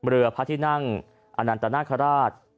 เรือพระที่นั่งอนันตนาคาราช